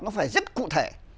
nó phải rất cụ thể